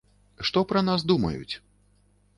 Што пра нас думаюць?